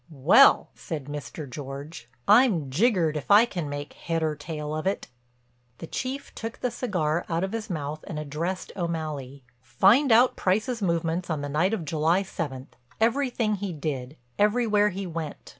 "Well!" said Mr. George. "I'm jiggered if I can make head or tail of it." The Chief took the cigar out of his mouth and addressed O'Malley: "Find out Price's movements on the night of July seventh, everything he did, everywhere he went."